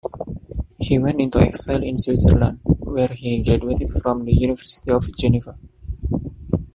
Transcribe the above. He went into exile in Switzerland, where he graduated from the University of Geneva.